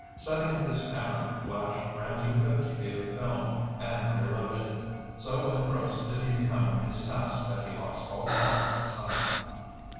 Setting up his camera, Flash ran through fifty feet of film and reloaded. So engrossed did he become in his task that he lost all count of time.